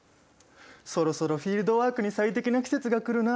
そろそろフィールドワークに最適な季節が来るな。